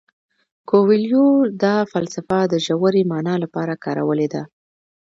کویلیو دا فلسفه د ژورې مانا لپاره کارولې ده.